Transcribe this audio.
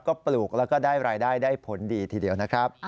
ก็ปลูกแล้วก็ได้รายได้ได้ผลดีทีเดียวนะครับ